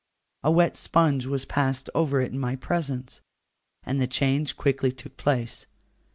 A wet sponge was passed over it in my presence, and the change quickly took place.